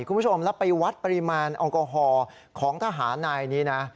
คุณผู้ชมแล้วไปวัดปริมาณแอลกอฮอล์ของทหารนายนี้นะ